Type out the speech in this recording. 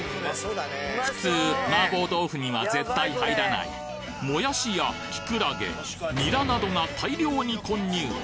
普通マーボー豆腐には絶対入らないもやしやキクラゲニラなどが大量に混入